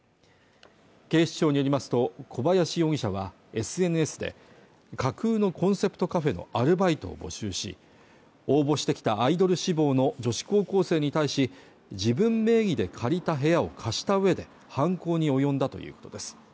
警視庁によりますと小林容疑者はＳＮＳで架空のコンセプトカフェのアルバイトを募集し応募してきたアイドル志望の女子高校生に対し自分名義で借りた部屋を貸したうえで犯行に及んだということです